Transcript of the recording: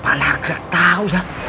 pak nagraj tau ya